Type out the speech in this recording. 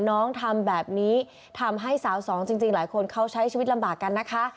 ทำแบบนี้ทำให้สาวสองจริงหลายคนเขาใช้ชีวิตลำบากกันนะคะ